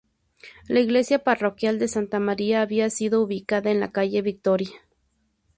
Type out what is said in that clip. La iglesia parroquial de Santa María había sido ubicada en la calle Victoria.